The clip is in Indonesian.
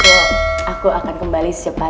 saya akan menghadapi dokter alih kanker